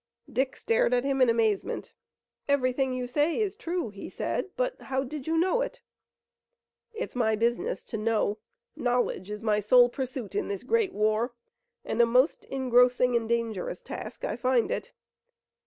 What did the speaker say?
Dick stared at him in amazement. "Everything you say is true," he said, "but how did you know it?" "It's my business to know. Knowledge is my sole pursuit in this great war, and a most engrossing and dangerous task I find it.